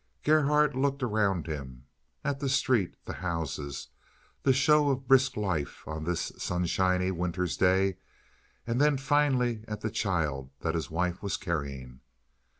Gerhardt looked around him, at the street, the houses, the show of brisk life on this sunshiny, winter's day, and then finally at the child that his wife was carrying.